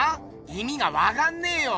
いみがわかんねえよ。